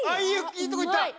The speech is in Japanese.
いいとこいった。